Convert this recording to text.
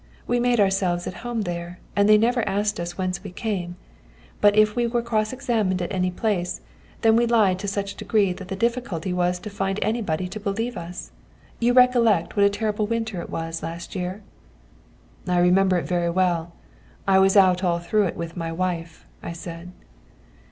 We made ourselves at home there, and they never asked us whence we came; but if we were cross examined at any place, then we lied to such a degree that the difficulty was to find anybody to believe us. You recollect what a terrible winter it was last year?" "I remember it very well. I was out all through it with my wife," I said.